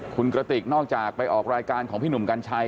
คุณกระติกนอกจากไปออกรายการของพี่หนุ่มกัญชัย